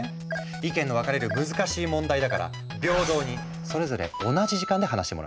意見の分かれる難しい問題だから平等にそれぞれ同じ時間で話してもらうよ。